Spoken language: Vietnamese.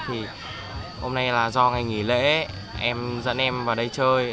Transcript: thì hôm nay là do ngày nghỉ lễ em dẫn em vào đây chơi